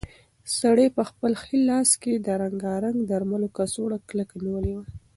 سړي په خپل ښي لاس کې د رنګارنګ درملو کڅوړه کلکه نیولې وه.